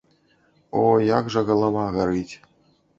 О, як жа галава гарыць.